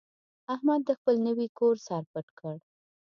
احمد د خپل نوي کور سر پټ کړ.